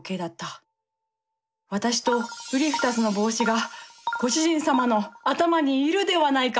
私とうり二つの帽子がご主人様の頭にいるではないか。